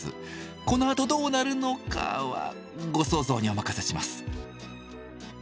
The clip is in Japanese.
このあとどうなるのかはご想像にお任せします。